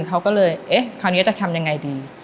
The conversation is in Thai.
เขาก็เลยเอ๊ะคราวนี้จะทำยังไงดี